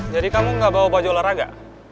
jadi kamu gak bawa baju olahraga